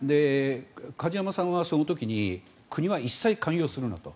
梶山さんはその時に国は一切関与するなと。